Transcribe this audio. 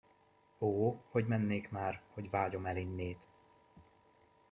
Ó, hogy mennék már, hogy vágyom el innét!